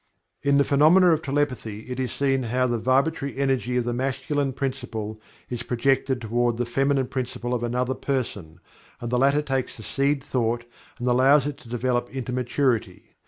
In the phenomena of Telepathy it is seen how the Vibratory Energy of the Masculine Principle is projected toward the Feminine Principle of another person, and the latter takes the seed thought and allows it to develop into maturity.